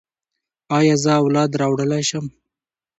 ایا زه اولاد راوړلی شم؟